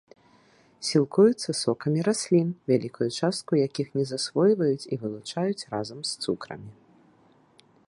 Сілкуюцца сокамі раслін, вялікую частку якіх не засвойваюць і вылучаюць разам з цукрамі.